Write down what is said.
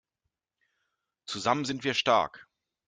Zusammen sind wir stark!